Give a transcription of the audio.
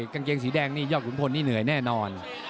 กางเกงสีแดงนี่ยอดขุนพลนี่เหนื่อยแน่นอน